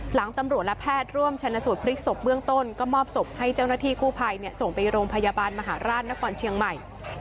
หลังตำรวจและแพทย์ร่วมชนสูตรพลิกศพเบื้องต้นก็มอบศพให้เจ้าหน้าที่กู้ภัยส่งไปโรงพยาบาลมหาราชนครเชียงใหม่